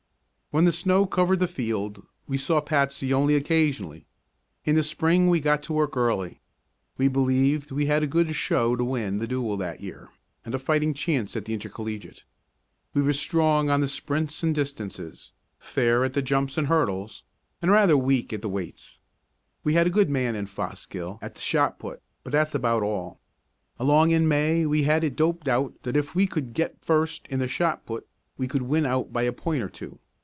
When the snow covered the field we saw Patsy only occasionally. In the spring we got to work early. We believed we had a good show to win the Dual that year and a fighting chance at the Intercollegiate. We were strong on the sprints and distances, fair at the jumps and hurdles, and rather weak at the weights. We had a good man in Fosgill at the shot put, but that's about all. Along in May we had it doped out that if we could get first in the shot put we could win out by a point or two.